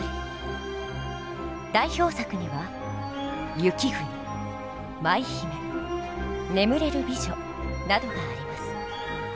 代表作には「雪国」「舞姫」「眠れる美女」などがあります。